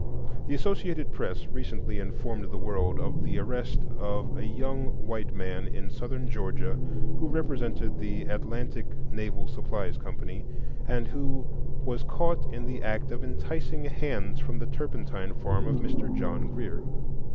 The "Associated Press" recently informed the world of the arrest of a young white man in Southern Georgia who represented the "Atlantic Naval Supplies Company," and who "was caught in the act of enticing hands from the turpentine farm of Mr. John Greer."